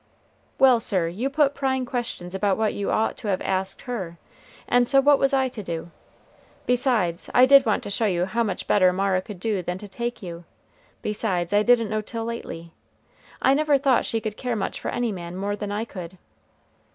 "Well, sir, you put prying questions about what you ought to have asked her, and so what was I to do? Besides, I did want to show you how much better Mara could do than to take you; besides, I didn't know till lately. I never thought she could care much for any man more than I could."